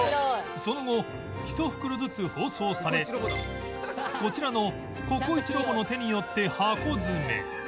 その後ひと袋ずつ包装されこちらのココイチロボの手によって箱詰め